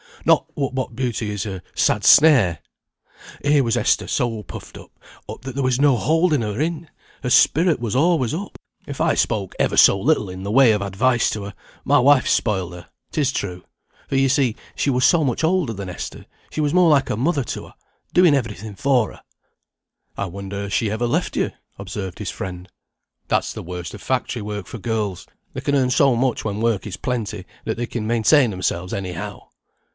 Not but what beauty is a sad snare. Here was Esther so puffed up, that there was no holding her in. Her spirit was always up, if I spoke ever so little in the way of advice to her; my wife spoiled her, it is true, for you see she was so much older than Esther she was more like a mother to her, doing every thing for her." [Footnote 2: "Farrantly," comely, pleasant looking.] "I wonder she ever left you," observed his friend. "That's the worst of factory work, for girls. They can earn so much when work is plenty, that they can maintain themselves any how.